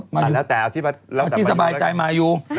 ตั้งแต่เอาที่สบายใจมาอยู่